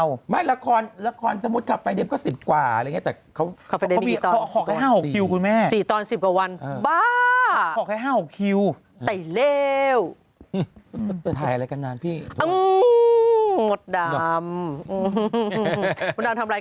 พอเบรก๕อาทิตย์คุณแม่โทรหาพี่กูหน่อย